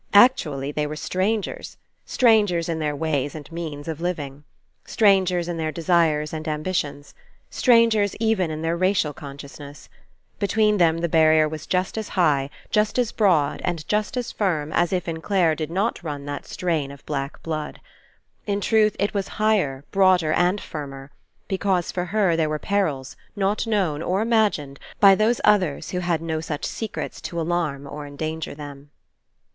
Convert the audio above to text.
Actually they were strangers. Stran gers in their ways and means of living. Stran gers in their desires and ambitions. Strangers even in their racial consciousness. Between them the barrier was just as high, just as broad, and no RE ENCOUNTER just as firm as If in Clare did not run that strain of black blood. In truth, it was higher, broader, and firmer; because for her there were perils, not known, or imagined, by those others who had no such secrets to alarm or endanger them.